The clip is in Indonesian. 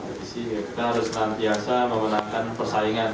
kita harus lantiasa memenangkan persaingan